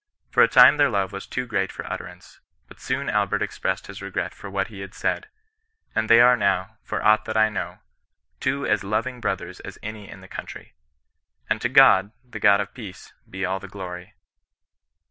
For a time their love was too great for utterance, but soon Albert expressed his regret for what he had said ; and they are now, for aught that I know, two as loving bro thers as any in the county. And to God, the God of peace, be all the glory.